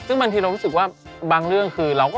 ซึ่งบางทีก็เหมือนว่าบางเรื่อง